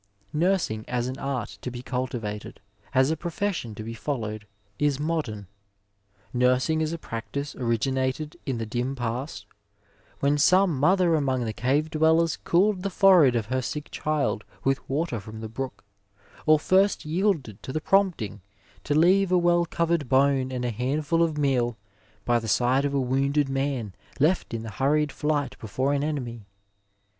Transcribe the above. Nursing as an art to be cultivated, as a profession to be followed, is modem ; nursing as a practice originated in the dim past, when some mother among the cave dwellers cooled the forehead of her sick child with water from the brook, or first yielded to the prompting to leave a well covered bone and a handful of meal by the side of a wounded man left in the hurried flight before an enemy.